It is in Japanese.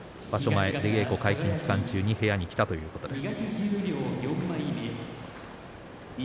前、出稽古解禁期間中に部屋に来たということです。